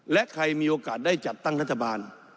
และใครมีโอกาสได้จัดตั้งรัฐบาล